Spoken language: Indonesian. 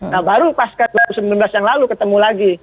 nah baru pasca dua ribu sembilan belas yang lalu ketemu lagi